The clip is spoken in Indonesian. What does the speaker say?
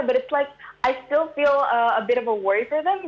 tapi saya masih merasa agak khawatir